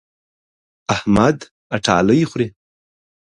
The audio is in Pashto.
احمد اټالۍ خوري.